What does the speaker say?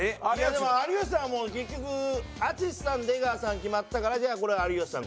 でも有吉さんも結局淳さん出川さん決まったからじゃあこれ有吉さん